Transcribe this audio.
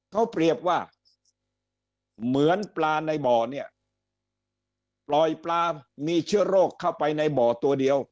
เขาเปรียบว่าเหมือนปลาในบ่อเนี่ยปล่อยปลามีเชื้อโรคเข้าไปในบ่อตัวเดียว